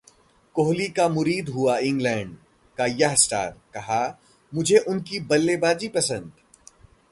कोहली का मुरीद हुआ इंग्लैंड का यह स्टार, कहा- मुझे उनकी बल्लेबाजी पसंद